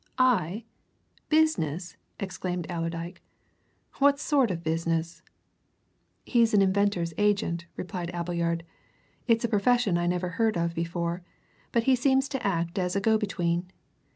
"I? Business?" exclaimed Allerdyke. "What sort of business?" "He's an inventor's agent," replied Appleyard. "It's a profession I never heard of before, but he seems to act as a go between.